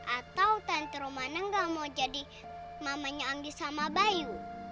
atau tante romana gak mau jadi mamanya anggi sama bayu